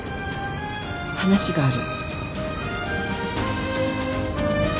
話がある。